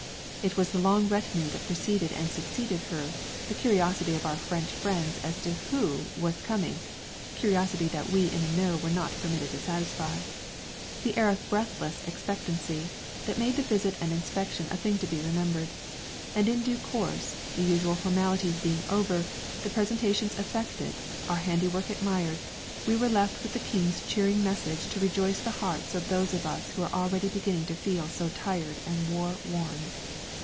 It was the long retinue that preceded and succeeded her, the curiosity of our French friends as to who was coming (curiosity that we in the know were not permitted to satisfy), the air of breathless expectancy, that made the visit and inspection a thing to be remembered. And in due course, the usual formalities being over, the presentations effected, our handiwork admired, we were left with the King's cheering message to rejoice the hearts of those of us who are already beginning to feel so tired and war worn.